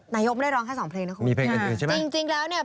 นายกได้ร้องแค่สองเพลงนะครับ